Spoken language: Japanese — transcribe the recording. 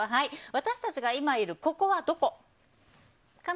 私たちが今いるここはどこ？